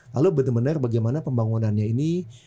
lalu bener bener bagaimana pembangunannya ini